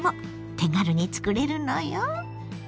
手軽に作れるのよ。